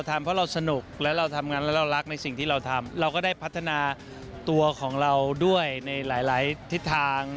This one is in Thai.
ก็เพราะเรารักในสิ่งที่เราทำเราก็ได้พัฒนาตัวของเราด้วยในหลายทิศทาง